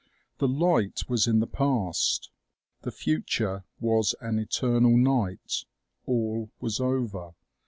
The light was in the past ; the future was an eternal night. All was over.